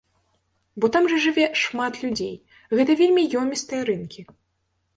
Бо там жа жыве шмат людзей, гэта вельмі ёмістыя рынкі.